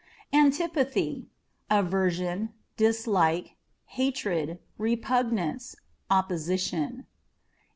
Antipathy â€" aversion, dislike, hatred, repugnance, opposition.